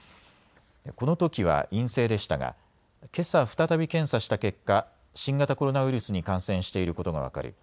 このときは陰性でしたがけさ再び検査した結果、新型コロナウイルスに感染していることが分かり